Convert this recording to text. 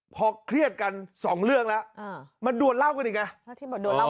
พอเครียดกันสองเรื่องแล้วมันดวนเล่ากันอีกไง